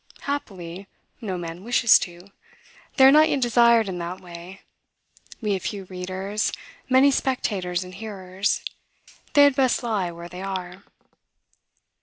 Happily, no man wishes to. They are not yet desired in that way. We have few readers, many spectators and hearers. They had best lie where they are.